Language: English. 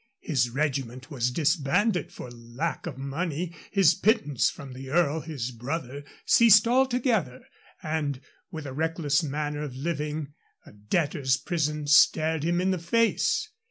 His regiment was disbanded for lack of money, his pittance from the Earl, his brother, ceased altogether; and, with a reckless manner of living, a debtors' prison stared him in the face.